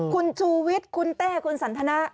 คุณชูวิทย์คุณเต้คุณสันทนะ